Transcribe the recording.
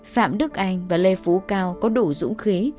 phạm đức anh và lê phú cao có đủ dũng khí